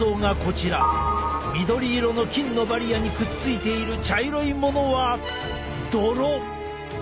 緑色の菌のバリアにくっついている茶色いものはどろ！